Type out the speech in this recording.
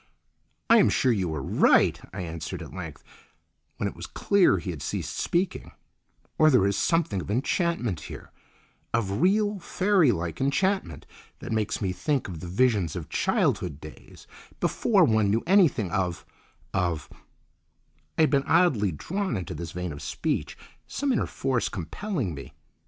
"I am sure you are right," I answered at length, when it was clear he had ceased speaking; "or there is something of enchantment here—of real fairy like enchantment—that makes me think of the visions of childhood days, before one knew anything of—of—" I had been oddly drawn into his vein of speech, some inner force compelling me.